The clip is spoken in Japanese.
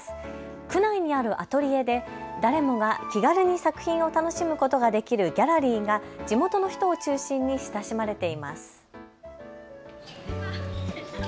区内にあるアトリエで誰もが気軽に作品を楽しむことができるギャラリーが地元の人を中心に親しまれています。